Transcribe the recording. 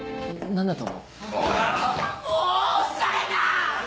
何だと？